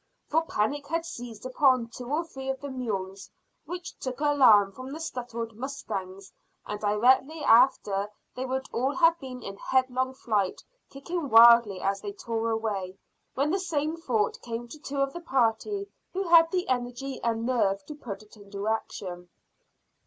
For panic had seized upon two or three of the mules, which took alarm from the startled mustangs, and directly after they would all have been in headlong flight, kicking wildly as they tore away, when the same thought came to two of the party who had the energy and nerve to put it into action.